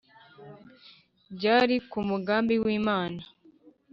byari ku mugambi w’imana,